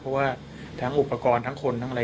เพราะว่าทั้งอุปกรณ์ทั้งคนทั้งอะไร